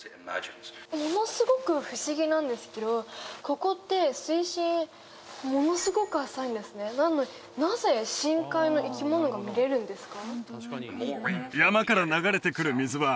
ものすごく不思議なんですけどここって水深ものすごく浅いんですねなのになぜ深海の生き物が見れるんですか？